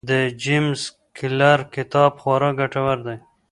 د جیمز کلیر کتاب خورا ګټور دی.